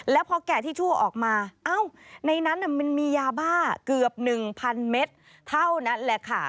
แล้วพอแกะทิชชู่ออกมาเอ้าในนั้นมันมียาบ้าเกือบ๑๐๐เมตรเท่านั้นแหละค่ะ